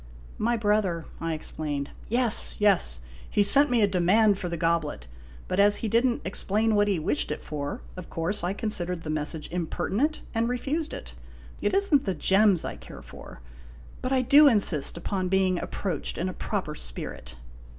" My brother," I explained. " Yes, yes !" said the old gentleman. " He sent me a demand for the goblet, but as he did n't explain what he wished it for, of course I considered the message impertinent and refused it. It is n't the gems I care for ; but I do insist upon being approached in a proper spirit.